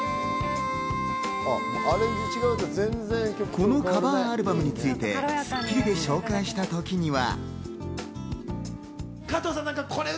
このカバーアルバムについて『スッキリ』で紹介したときには。